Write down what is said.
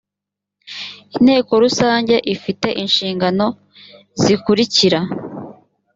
inteko rusange ifite inshingano zikurikira